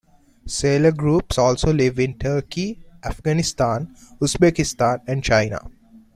Salor groups also live in Turkey, Afghanistan, Uzbekistan, and China.